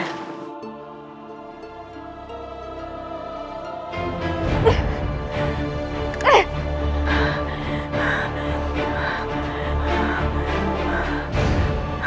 aku tidak tahu